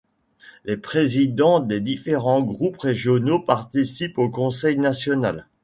Les présidents des différents groupes régionaux participent au conseil national.